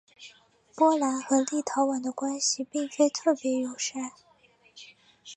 波兰和立陶宛的关系并非特别友善。